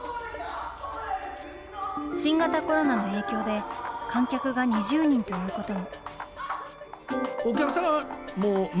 新型コロナの影響で、観客が２０人ということも。